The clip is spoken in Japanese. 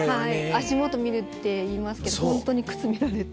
足元見るっていいますけどホントに靴見られて。